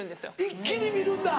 一気に見るんだ！